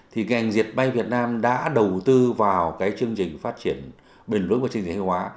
thì ngành diệt máy việt nam đã đầu tư vào cái chương trình phát triển bình luận của chương trình hóa